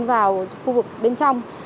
vào khu vực bên trong